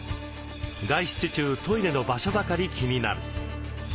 外出中トイレの場所ばかり気になる。